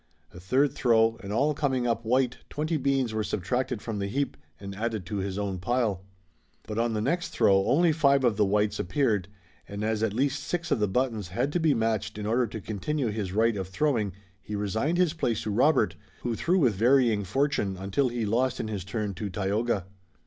A third throw and all coming up white twenty beans were subtracted from the heap and added to his own pile. But on the next throw only five of the whites appeared, and as at least six of the buttons had to be matched in order to continue his right of throwing he resigned his place to Robert, who threw with varying fortune until he lost in his turn to Tayoga.